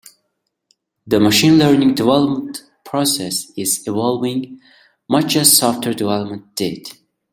The machine learning development process is evolving much as software development did.